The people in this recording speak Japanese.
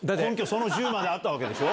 その１０まであったわけでしょ？